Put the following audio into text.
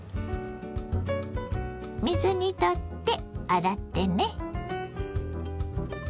水にとって洗ってね。